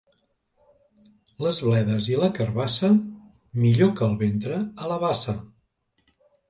Les bledes i la carabassa, millor que al ventre, a la bassa.